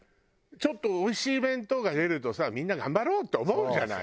ちょっとおいしい弁当が出るとさみんな頑張ろう！って思うじゃない。